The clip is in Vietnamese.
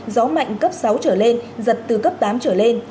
gió mạnh cấp sáu trở lên giật từ cấp tám trở lên